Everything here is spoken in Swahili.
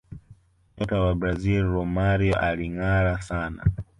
nyota wa brazil romario alingara sana